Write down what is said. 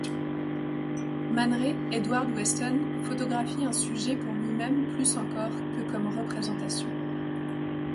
Man Ray, Edward Weston photographient un sujet pour lui-même plus encore que comme représentation.